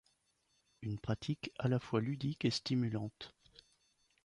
Une pratique à la fois ludique et stimulante.